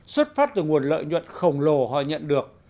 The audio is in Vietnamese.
xuất phát từ nguồn lợi nhuận khổng lồ họ nhận được